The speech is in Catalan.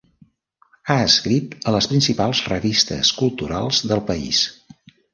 Ha escrit a les principals revistes culturals del país.